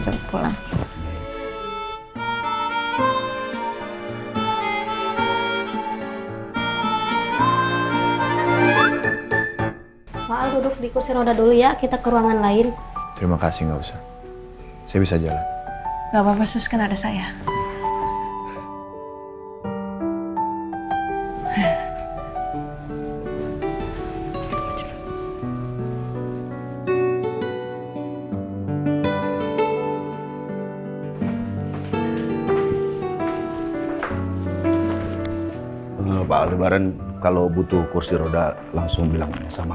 mama ikut senang sekali ngeliat kalian berdua